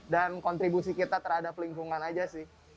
dan kontribusi kita terhadap lingkungan aja sih